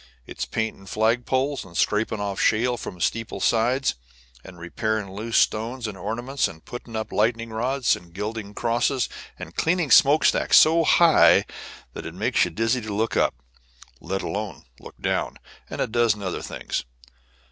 It's painting flagpoles, and scraping off shale from a steeple's sides, and repairing loose stones and ornaments, and putting up lightning rods, and gilding crosses, and cleaning smoke stacks so high that it makes you dizzy to look up, let alone looking down, and a dozen other things.